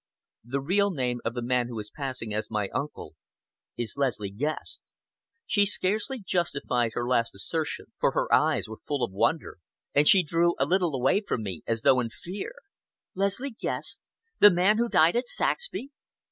"The real name of the man who is passing as my uncle is Leslie Guest!" She scarcely justified her last assertion, for her eyes were full of wonder, and she drew a little away from me as though in fear. "Leslie Guest! The man who died at Saxby!"